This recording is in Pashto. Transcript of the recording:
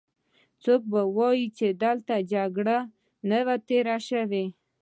څوک به وايې چې دلته جګړه نه ده تېره شوې.